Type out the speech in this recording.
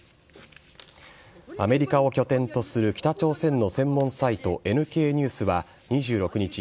アメリカを拠点とする北朝鮮の専門サイトＮＫニュースは２６日